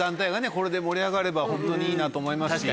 これで盛り上がればホントにいいなと思いますし。